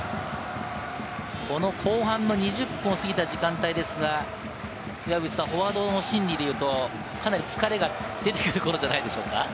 後半の２０分を過ぎた時間帯ですが、岩渕さん、フォワードの心理でいうと、かなり疲れが出てくる頃じゃないでしょうか？